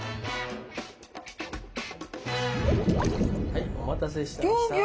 はいお待たせしました。